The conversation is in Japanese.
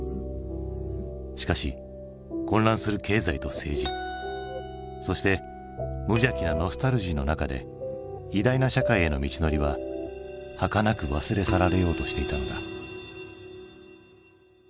しかし混乱する経済と政治そして無邪気なノスタルジーの中で「偉大な社会」への道のりははかなく忘れ去られようとしていたのだ。